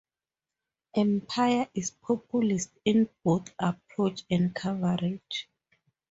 "Empire" is populist in both approach and coverage.